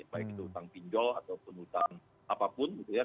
baik itu hutang pinjol ataupun hutang apapun gitu ya